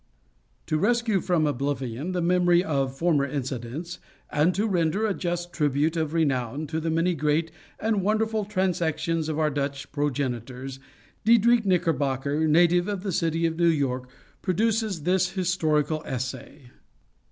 "To rescue from oblivion the memory of former incidents, and to render a just tribute of renown to the many great and wonderful transactions of our Dutch progenitors, Diedrich Knickerbocker, native of the city of New York, produces this historical essay."